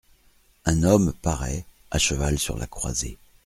Un homme paraît, à cheval sur la croisée.